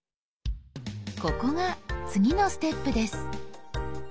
ここが次のステップです。